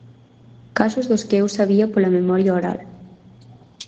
Casos dos que eu sabía pola memoria oral.